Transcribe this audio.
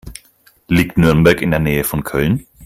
Liegt Nürnberg in der Nähe von Köln?